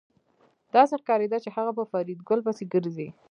داسې ښکارېده چې هغه په فریدګل پسې ګرځي